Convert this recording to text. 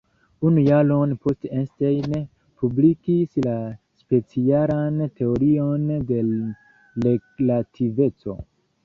Unu jaron poste Einstein publikigis la specialan teorion de relativeco.